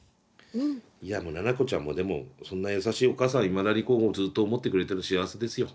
いやもうナナコちゃんもでもそんな優しいお母さんいまだにずっと思ってくれてるの幸せですよ。